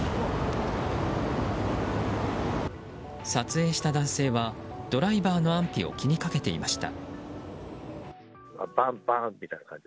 撮影した男性はドライバーの安否を気にかけていました。